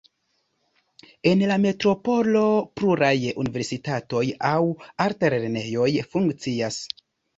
En la metropolo pluraj universitatoj aŭ altlernejoj funkcias.